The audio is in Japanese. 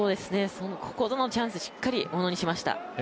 ここぞのチャンスしっかりとものにしました。